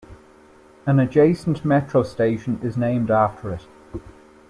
An adjacent metro station is named after it.